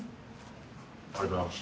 ありがとうございます。